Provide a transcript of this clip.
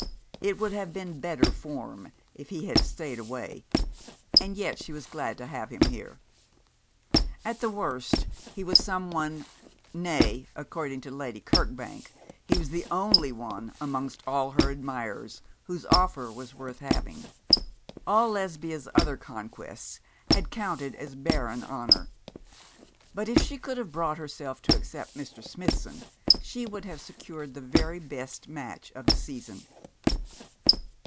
It would have been 'better form' if he had stayed away; and yet she was glad to have him here. At the worst he was some one nay, according to Lady Kirkbank, he was the only one amongst all her admirers whose offer was worth having. All Lesbia's other conquests had counted as barren honour; but if she could have brought herself to accept Mr. Smithson she would have secured the very best match of the season.